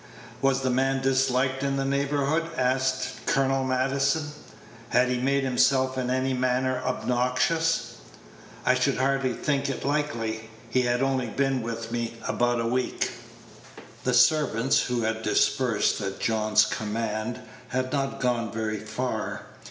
"Was the man disliked in the neighborhood?" asked Colonel Maddison; "had he made himself in any manner obnoxious?" "I should scarcely think it likely. He had only been with me about a week." The servants, who had dispersed at John's command, had not gone very far.